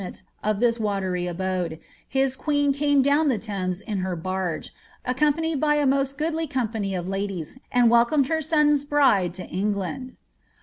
ment of thi^ watery abode, his queen came down the Thames in barge, accompanied by a mo6t goodly company of ladies, and welco her son's bride to England.